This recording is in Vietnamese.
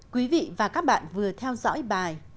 quý vị và các bạn vừa theo dõi bài